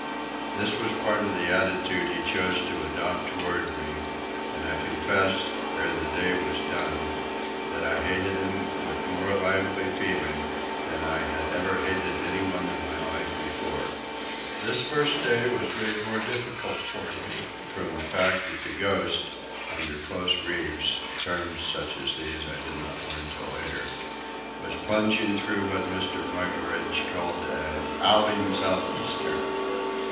This was part of the attitude he chose to adopt toward me; and I confess, ere the day was done, that I hated him with more lively feelings than I had ever hated any one in my life before. This first day was made more difficult for me from the fact that the Ghost, under close reefs (terms such as these I did not learn till later), was plunging through what Mr. Mugridge called an "'owlin' sou' easter."